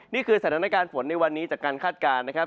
นี่คือสถานการณ์ฝนในวันนี้จากการคาดการณ์นะครับ